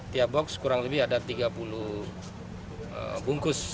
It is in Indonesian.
tiap box kurang lebih ada tiga puluh bungkus